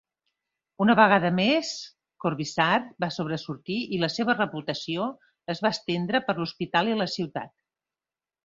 Una vegada més, Corvisart va sobresortir i la seva reputació es va estendre per l'hospital i la ciutat.